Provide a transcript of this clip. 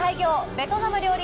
ベトナム料理